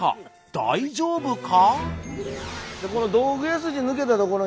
大丈夫か？